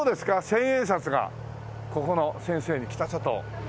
千円札がここの先生北里。